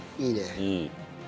いいね。